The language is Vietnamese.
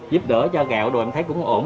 giúp đỡ cho gạo đồ em thấy cũng ổn